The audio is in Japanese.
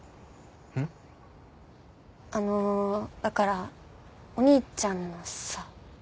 あのだからお兄ちゃんのさねっ。